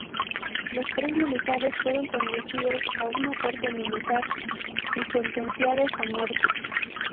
Los tres militantes fueron conducidos a una corte militar y sentenciados a muerte.